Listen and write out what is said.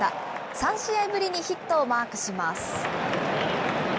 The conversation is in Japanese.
３試合ぶりにヒットをマークします。